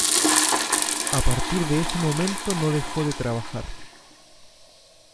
A partir de ese momento no dejó de trabajar.